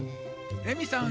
レミさん